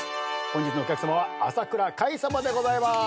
本日のお客さまは朝倉海さまでございます。